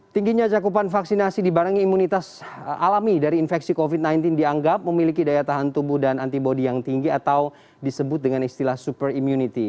tingginya cakupan vaksinasi dibarengi imunitas alami dari infeksi covid sembilan belas dianggap memiliki daya tahan tubuh dan antibody yang tinggi atau disebut dengan istilah super immunity